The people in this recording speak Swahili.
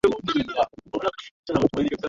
mwituni pia alihitajika kutafuta chakula na makazi